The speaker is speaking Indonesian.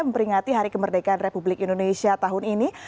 memperingati hari kemerdekaan republik indonesia tahun ini